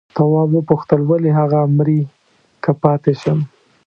تواب وپوښتل ولې هغه مري که پاتې شم؟